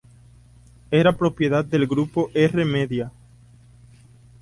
Era propiedad del Grupo R-Media.